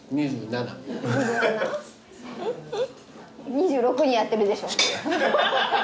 ２６にやってるでしょ。